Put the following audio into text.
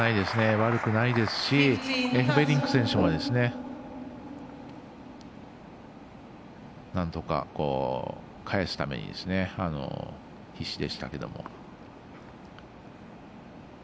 悪くないですしエフベリンク選手もなんとか返すために必死でしたけれども。